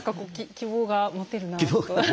希望が持てるなと。